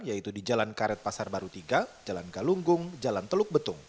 yaitu di jalan karet pasar baru tiga jalan galunggung jalan teluk betung